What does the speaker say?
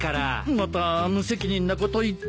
また無責任なこと言って。